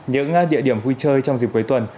những địa điểm vui chơi trong dịp cuối tuần